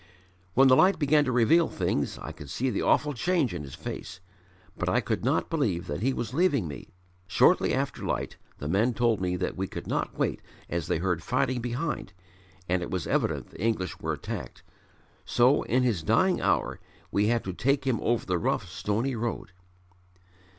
"When the light began to reveal things, I could see the awful change in his face, but I could not believe that he was leaving me. Shortly after light the men told me that we could not wait as they heard fighting behind and it was evident the English were attacked, so in his dying hour we had to take him over the rough, stony road.